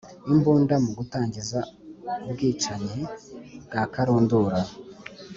imbunda mu gutangiza umbwicanyi bwa karundura